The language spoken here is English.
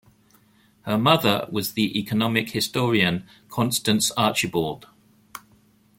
Her mother was the economic historian Constance Archibald.